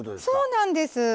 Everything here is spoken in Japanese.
そうなんです。